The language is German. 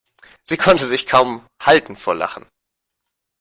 Sie konnte sich kaum halten vor Lachen.